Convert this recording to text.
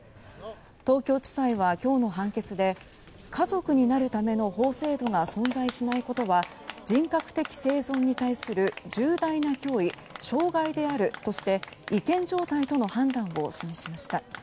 東京地裁は今日の判決で家族になるための法制度が存在しないことは人格的生存に対する重大な脅威障害であるとして違憲状態との判断を示しました。